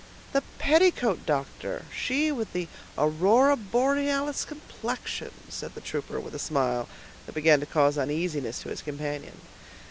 "The petticoat doctor!—she with the aurora borealis complexion," said the trooper, with a smile, that began to cause uneasiness to his companion.